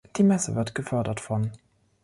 Die Messe wird gefördert von